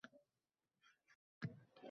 Besh kunlik ish haftasi orzusi